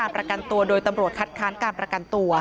จนสนิทกับเขาหมดแล้วเนี่ยเหมือนเป็นส่วนหนึ่งของครอบครัวเขาไปแล้วอ่ะ